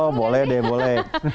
oh boleh deh boleh